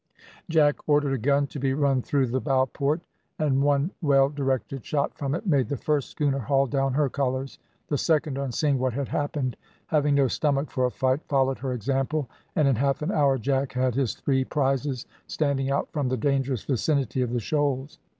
Jack ordered a gun to be run through the bow port, and one well directed shot from it made the first schooner haul down her colours. The second, on seeing what had happened, having no stomach for a fight, followed her example, and in half an hour Jack had his three prizes standing out from the dangerous vicinity of the shoals.